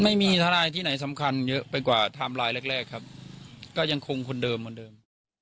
ไม่มีทนายที่ไหนสำคัญเยอะไปกว่าไทม์ไลน์แรกแรกครับก็ยังคงคนเดิมเหมือนเดิม